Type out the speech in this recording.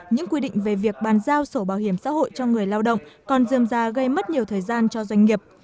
những quy định về việc bàn giao sổ bảo hiểm xã hội cho người lao động còn dườm ra gây mất nhiều thời gian cho doanh nghiệp